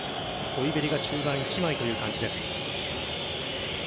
ホイビェリが中盤一枚という感じです。